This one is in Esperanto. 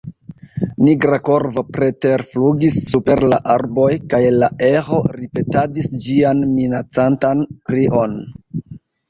Nigra korvo preterflugis super la arboj, kaj la eĥo ripetadis ĝian minacantan krion.